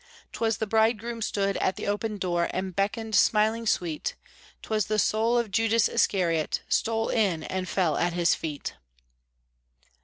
" 'Twas the Bridegroom stood at the open door And beckon' d, smiling sweet ; 'Twas the soul of Judas Iscariot Stole in, and fell at his feet."